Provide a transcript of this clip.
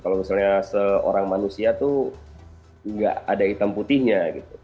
kalau misalnya seorang manusia itu nggak ada hitam putihnya gitu